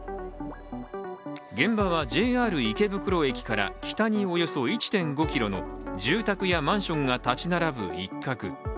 現場はＪＲ池袋駅から北におよそ１．５ｋｍの住宅やマンションが立ち並ぶ一角。